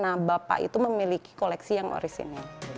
nah bapak itu memiliki koleksi yang orisinil